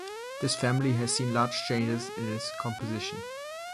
This family has seen large changes in its composition.